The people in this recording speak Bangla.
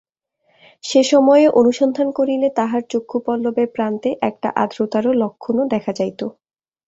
সে সময়ে অনুসন্ধান করিলে তাহার চক্ষু-পল্লবের প্রান্তে একটা আর্দ্রতার লক্ষণও দেখা যাইত।